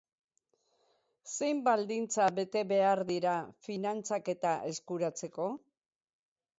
Zein baldintza bete behar dira finantzaketa eskuratzeko?